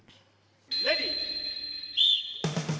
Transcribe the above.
レディー。